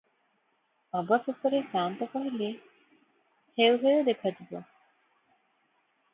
ଅବଶେଷରେ ସାଆନ୍ତ କହିଲେ, "ହେଉ ହେଉଦେଖାଯିବ ।